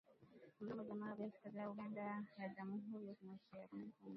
Mnamo mwezi Januari biashara kati ya Uganda na Jamuhuri ya Demokrasia ya Kongo